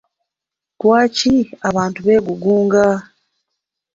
Lwaki abantu beegugunga?